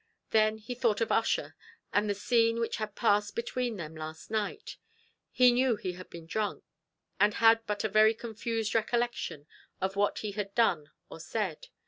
Then he thought of Ussher, and the scene which had passed between them last night; he knew he had been drunk, and had but a very confused recollection of what he had done or said.